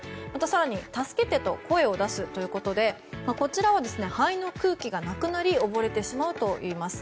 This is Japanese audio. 更に助けてと声を出すということでこちらは、肺の空気がなくなり溺れてしまうといいます。